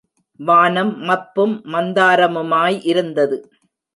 வானம் மப்பும் மந்தாரமுமாய் இருந்தது.